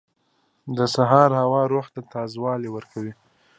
• د سهار هوا روح ته تازه والی ورکوي.